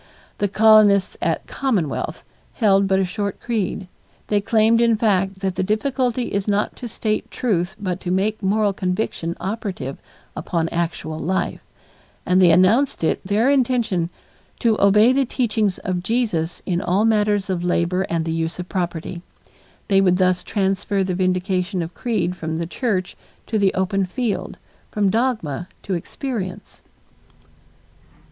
The colonists at Commonwealth held but a short creed. They claimed in fact that the difficulty is not to state truth but to make moral conviction operative upon actual life, and they announced it their intention "to obey the teachings of Jesus in all matters of labor and the use of property." They would thus transfer the vindication of creed from the church to the open field, from dogma to experience.